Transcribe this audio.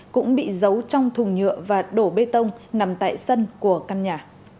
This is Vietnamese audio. cũng bị giấu trong thùng nhựa và đổ bê tông nằm tại sân của căn nhà